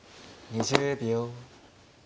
２０秒。